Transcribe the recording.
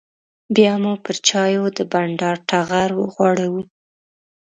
بیا مو پر چایو د بانډار ټغر وغوړاوه.